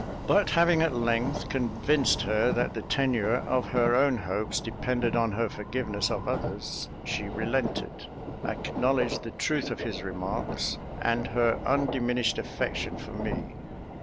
But having at length convinced her that the tenure of her own hopes depended on her forgiveness of others, she relented, acknowledged the truth of his remarks, and her undiminished affection for me.